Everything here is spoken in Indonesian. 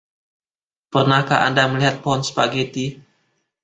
Pernahkah Anda melihat pohon spageti?